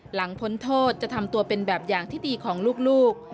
พ้นโทษจะทำตัวเป็นแบบอย่างที่ดีของลูก